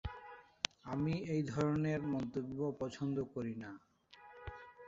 আমি এই ধরণের মন্তব্য পছন্দ করি না।